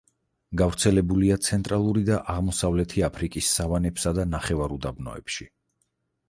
გავრცელებულია ცენტრალური და აღმოსავლეთი აფრიკის სავანებსა და ნახევარუდაბნოებში.